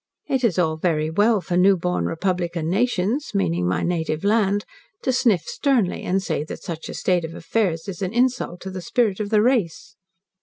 It is all very well for newborn republican nations meaning my native land to sniff sternly and say that such a state of affairs is an insult to the spirit of the race.